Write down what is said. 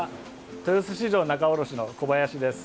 豊洲市場仲卸の小林です。